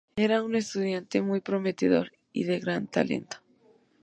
Era un estudiante muy prometedor y de gran talento.